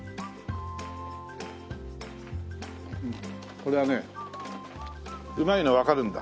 これはねうまいのわかるんだ。